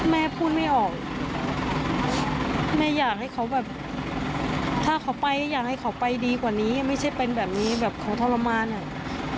แม่พูดไม่ออกแม่อยากให้เขาแบบถ้าเขาไปอยากให้เขาไปดีกว่านี้ไม่ใช่เป็นแบบนี้แบบเขาทรมานอ่ะ